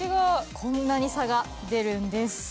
こんなに差が出るんです。